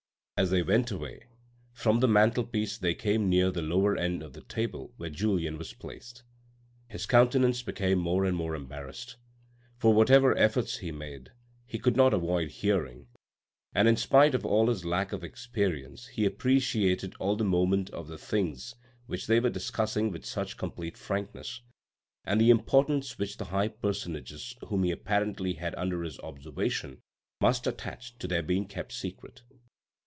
As they went away from the mantelpiece they came near the lower end of the table where Julien was placed. His countenance became more and more embarrassed, for whatever efforts he made, he could not avoid hearing, and in spite of all his lack of experience he appreciated all the moment of the things which they were discussing with such complete frank ness, and the importance which the high personages whom he apparently had under his observation must attach to their being kept secret.